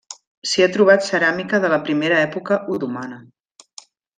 S'hi ha trobat ceràmica de la primera època otomana.